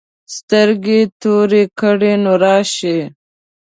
سترګې تورې کړې نو راشې.